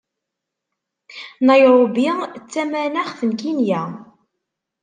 Nayṛubi d tamanaxt n Kinya